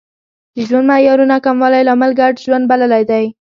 د ژوند معیارونو کموالی لامل ګډ ژوند بللی دی